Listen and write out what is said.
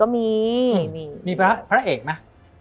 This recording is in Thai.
มีพระเอกนะ